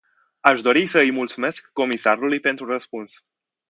Aș dori să îi mulțumesc comisarului pentru răspuns.